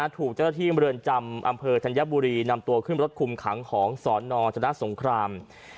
ถูกเจ้าหน้าที่เมืองจำอำเภอธัญบุรีนำตัวขึ้นรถคุมขังของสนชนะสงคราม